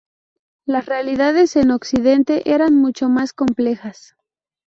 Las realidades en Occidente eran mucho más complejas.